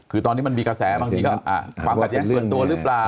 คือตอนนี้มันมีไงไหมครับความผลิดตัวหรือเปล่า